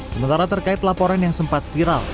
sementara terkait laporan yang sempat viral